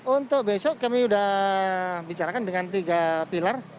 untuk besok kami sudah bicarakan dengan tiga pilar